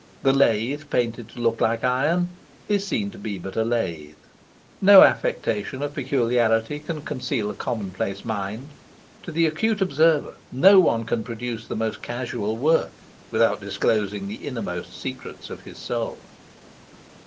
The lathe painted to look like iron is seen to be but a lathe. No affectation of peculiarity can conceal a commonplace mind. To the acute observer no one can produce the most casual work without disclosing the innermost secrets of his soul.